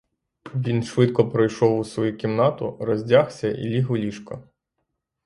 Він швидко пройшов у свою кімнату, роздягся і ліг у ліжко.